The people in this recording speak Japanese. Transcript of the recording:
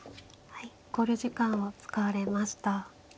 はい考慮時間を使われました。